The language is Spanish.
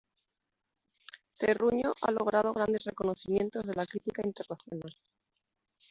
Terruño, ha logrado grandes reconocimientos de la crítica internacional.